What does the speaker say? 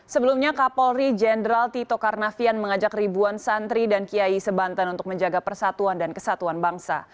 sebelumnya kapolri jenderal tito karnavian mengajak ribuan santri dan kiai sebanten untuk menjaga persatuan dan kesatuan bangsa